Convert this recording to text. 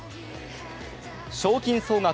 賞金総額